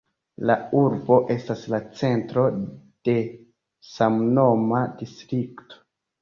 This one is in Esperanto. La urbo estas la centro de samnoma distrikto.